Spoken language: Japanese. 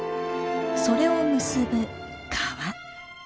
それを結ぶ川。